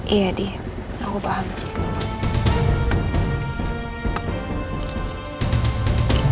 iya di aku paham